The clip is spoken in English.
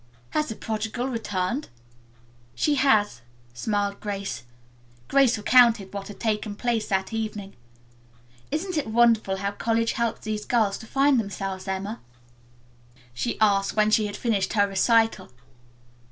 "Has the prodigal returned?" "She has," smiled Grace. Grace recounted what had taken place that evening. "Isn't it wonderful how college helps these girls to find themselves, Emma?" she asked when she had finished her recital.